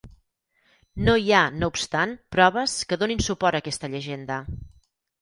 No hi ha, no obstant, proves que donin suport a aquesta llegenda.